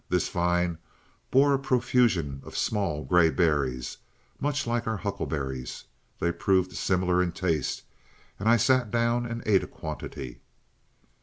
This vine bore a profusion of small gray berries, much like our huckleberries. They proved similar in taste, and I sat down and ate a quantity.